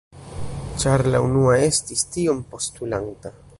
Ĉar la unua estis tiom postulanta.